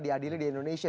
diadili di indonesia